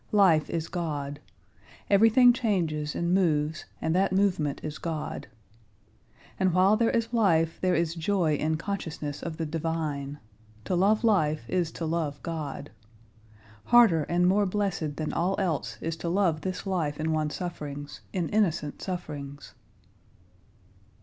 Life is God. Everything changes and moves and that movement is God. And while there is life there is joy in consciousness of the divine. To love life is to love God. Harder and more blessed than all else is to love this life in one's sufferings, in innocent sufferings."